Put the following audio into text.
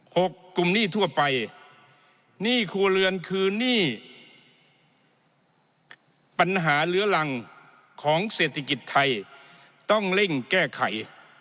กลุ่มหนี้ทั่วไปหนี้ครัวเรือนคือหนี้ปัญหาเหลือรังของเศรษฐกิจไทยต้องเร่งแก้ไข